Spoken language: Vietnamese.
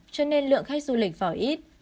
cho nên lượng khách du lịch vào ít